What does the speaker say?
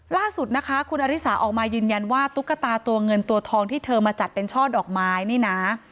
ล่าสุดนะคะคุณอริสาออกมายืนยันว่าตุ๊กตาตัวเงินตัวทองที่เธอมาจัดเป็นช่อดอกไม้นี่นะ